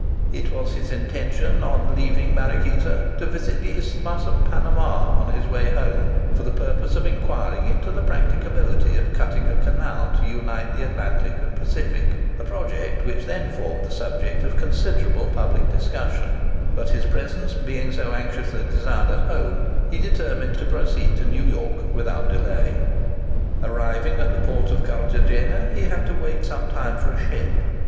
It was his intention, on leaving Mariquita, to visit the Isthmus of Panama on his way home, for the purpose of inquiring into the practicability of cutting a canal to unite the Atlantic and Pacific—a project which then formed the subject of considerable public discussion; but his presence being so anxiously desired at home, he determined to proceed to New York without delay. Arrived at the port of Cartagena, he had to wait some time for a ship.